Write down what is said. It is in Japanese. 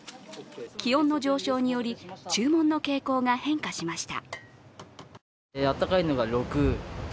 気温の上昇により注文の傾向が変化しました。